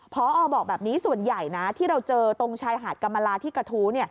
พอบอกแบบนี้ส่วนใหญ่นะที่เราเจอตรงชายหาดกรรมลาที่กระทู้